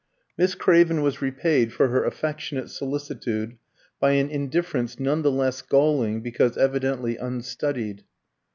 Miss Craven was repaid for her affectionate solicitude by an indifference none the less galling because evidently unstudied.